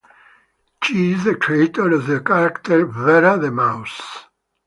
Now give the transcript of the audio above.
She is the creator of the character "Vera the Mouse".